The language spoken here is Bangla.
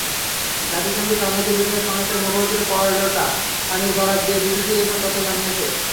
জাতিসংঘের শরণার্থীবিষয়ক সংস্থার মুখপাত্র কার্লোটা সামির বরাত দিয়ে বিবিসি এসব তথ্য জানিয়েছে।